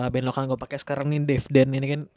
band lokal yang gue pake sekarang nih dave ya kan